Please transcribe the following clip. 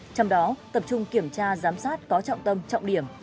trong đó tập trung kiểm tra giám sát có trọng tâm trọng điểm